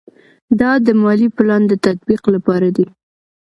دا د مالي پلان د تطبیق لپاره دی.